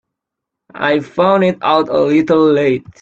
I found it out a little late.